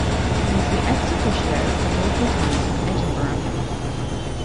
He is ex officio the Lord-Lieutenant of Edinburgh.